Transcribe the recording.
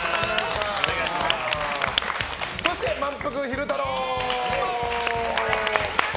そして、まんぷく昼太郎。